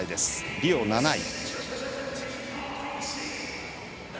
リオ７位。